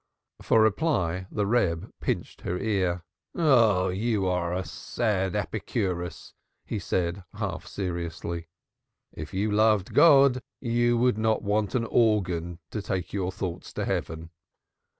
For reply the Reb pinched her ear. "Ah, you are a sad Epikouros" he said, half seriously. "If you loved God you would not want an organ to take your thoughts to heaven."